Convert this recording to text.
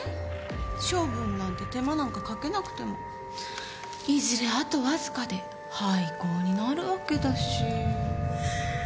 処分なんて手間なんかかけなくてもいずれあとわずかで廃校になるわけだし。